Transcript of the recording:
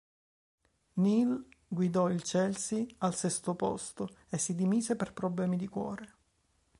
Neal guidò il Chelsea al sesto posto e si dimise per problemi di cuore.